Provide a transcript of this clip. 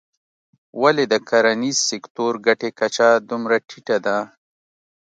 ولې د کرنیز سکتور ګټې کچه دومره ټیټه ده.